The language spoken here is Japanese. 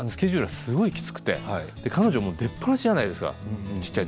すごいきつくて彼女出っぱなしじゃないですか小っちゃい時。